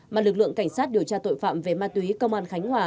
mà lực lượng cảnh sát điều tra tội phạm về ma túy công an khánh hòa